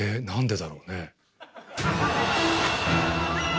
なんでだろうね